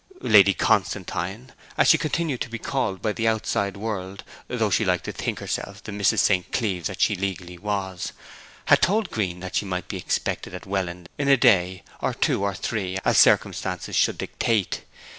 Lady Constantine (as she continued to be called by the outside world, though she liked to think herself the Mrs. St. Cleeve that she legally was) had told Green that she might be expected at Welland in a day, or two, or three, as circumstances should dictate.